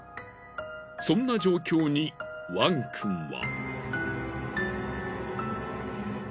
そんな状況にワンくんは。